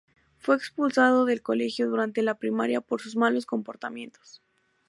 Fue expulsado del colegio durante la primaria por sus malos comportamientos.